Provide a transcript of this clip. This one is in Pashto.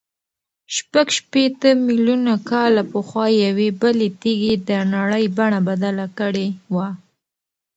شپږ شپېته میلیونه کاله پخوا یوې بلې تېږې د نړۍ بڼه بدله کړې وه.